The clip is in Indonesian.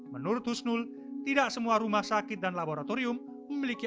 menurut husnul tidak semua rumah sakit dan laboratorium memiliki